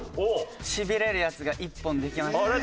しびれるやつが１本できましたね。